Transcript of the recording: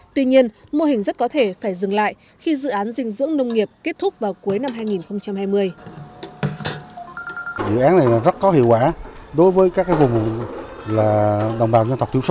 tuy nhiên mô hình rất có thể phải dừng lại khi dự án dinh dưỡng nông nghiệp kết thúc vào cuối năm hai nghìn hai mươi